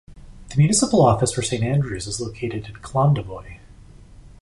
The municipal office for Saint Andrews is located in Clandeboye.